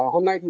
hôm nay thì